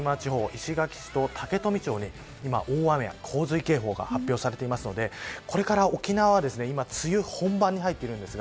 石垣市と竹富町に大雨と洪水警報が発表されていますので今沖縄は梅雨本番になっています